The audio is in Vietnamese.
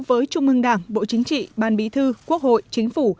với trung ương đảng bộ chính trị ban bí thư quốc hội chính phủ